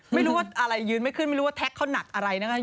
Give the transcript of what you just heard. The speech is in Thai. ไม่รู้ว่าอะไรยืนไม่ขึ้นไม่รู้ว่าแท็กเขาหนักอะไรนะคะ